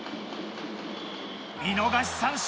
見逃し三振！